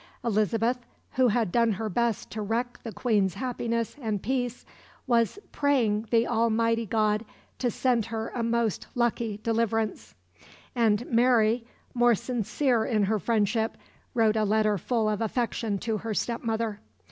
Elizabeth, who had done her best to wreck the Queen's happiness and peace, was "praying the Almighty God to send her a most lucky deliverance"; and Mary, more sincere in her friendship, wrote a letter full of affection to her step mother.